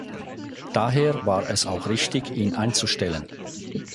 Daher war es auch richtig, ihn einzustellen.